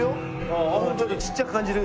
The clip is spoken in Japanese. ちょっとちっちゃく感じる。